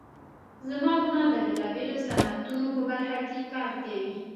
زما وروڼه د بیلابیلو صنعتونو په برخه کې کار کوي